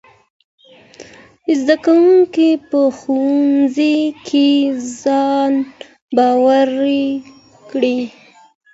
زدهکوونکي په ښوونځي کي ځان باوري کیږي.